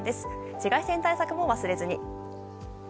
紫外線対策も忘れずに。